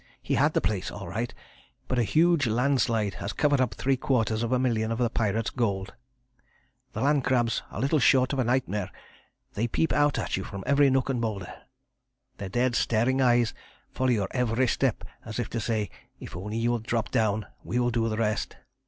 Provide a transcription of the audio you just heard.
He had the place all right, but a huge landslide has covered up three quarters of a million of the pirate's gold. The land crabs are little short of a nightmare. They peep out at you from every nook and boulder. Their dead staring eyes follow your every step as if to say, 'If only you will drop down we will do the rest.'